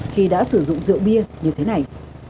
khi đã sử dụng rượu bia như thế này